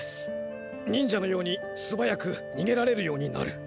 忍者のようにすばやくにげられるようになる。